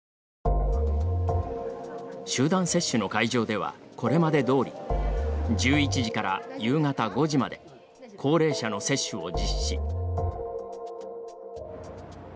集団接種の会場ではこれまでどおり１１時から夕方５時まで高齢者の接種を実施。